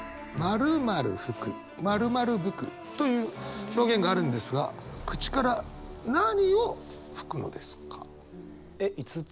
「○○吹く」「○○吹く」という表現があるんですが口から何を吹くのですか？